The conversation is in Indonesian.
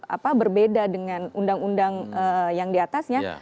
apa berbeda dengan undang undang yang diatasnya